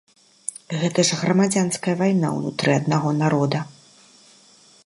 Гэта ж грамадзянская вайна ўнутры аднаго народа.